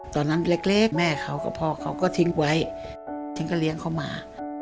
ตอนนั้นเล็กแม่เขากับพ่อเขาก็ทิ้งไว้ทิ้งก็เลี้ยงเขามา